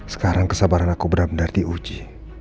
sekarang kesabaran aku benar benar diuji